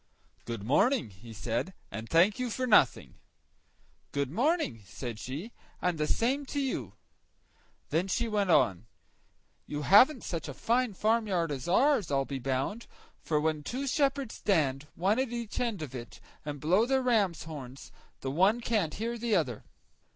"Good morning," he said, "and thank you for nothing." "Good morning," said she, "and the same to you." Then she went on— "You haven't such a fine farmyard as ours, I'll be bound; for when two shepherds stand, one at each end of it, and blow their ram's horns, the one can't hear the other."